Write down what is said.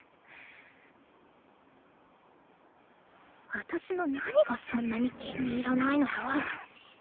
私の何がそんなに気に入らないのよ。